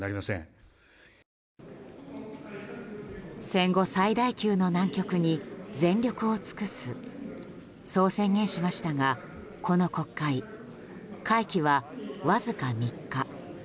戦後最大級の難局に全力を尽くすそう宣言しましたがこの国会、会期はわずか３日。